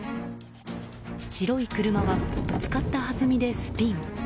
白い車はぶつかったはずみでスピン。